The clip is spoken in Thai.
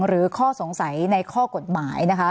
หรือข้อสงสัยในข้อกฎหมาย